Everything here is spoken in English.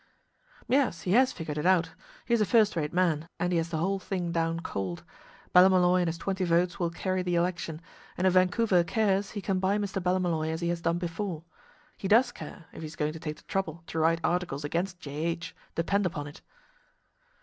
"Yes, he has figured it out. He is a first rate man, and he has the whole thing down cold. Ballymolloy and his twenty votes will carry the election, and if Vancouver cares he can buy Mr. Ballymolloy as he has done before. He does care, if he is going to take the trouble to write articles against J.H., depend upon it."